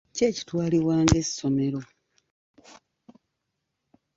Ki ekitwalibwa ng'essomero?